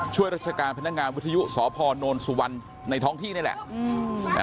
ช่วยราชการพนักงานวิทยุสพนสุวรรณในท้องที่นี่แหละ